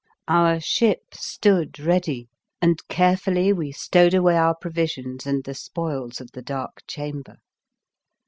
Our ship stood ready, and carefully we stowed away "5 The Fearsome Island our provisions and the spoils of the Dark Chamber.